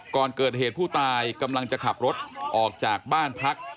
ก่อนเกิดเหตุผู้ตายกำลังจะขับรถออกจากบ้านพัก